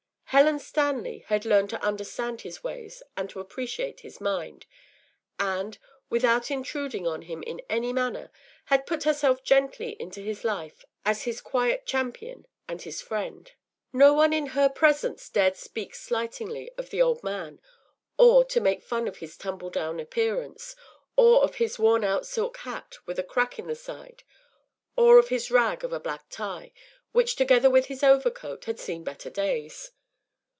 Helen Stanley had learned to understand his ways and to appreciate his mind, and, without intruding on him in any manner, had put herself gently into his life as his quiet champion and his friend. No one in her presence dared speak slightingly of the old man, or to make fun of his tumble down appearance, or of his worn out silk hat with a crack in the side, or of his rag of a black tie, which, together with his overcoat, had “seen better days.